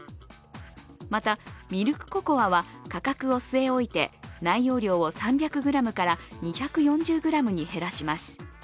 また、ミルクココアは価格を据え置いて内容量を３００ｇから２４０ｇに減らします。